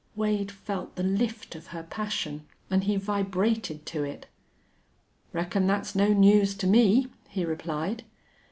_" Wade felt the lift of her passion, and he vibrated to it. "Reckon that's no news to me," he replied.